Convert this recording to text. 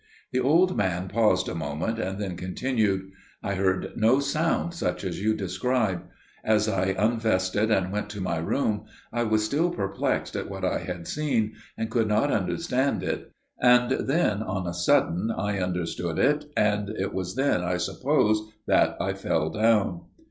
The old man paused a moment and then continued. "I heard no sound such as you describe. As I unvested and went to my room I was still perplexed at what I had seen, and could not understand it, and then on a sudden I understood it, and it was then I suppose that I fell down."